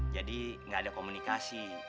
jadi gak ada komunikasi